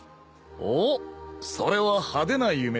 おっそれは派手な夢だな。